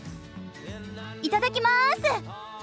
いただきます！